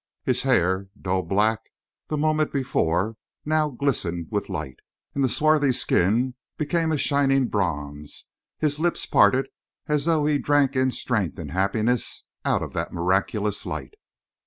His hair, dull black the moment before, now glistened with light, and the swarthy skin became a shining bronze; his lips parted as though he drank in strength and happiness out of that miraculous light.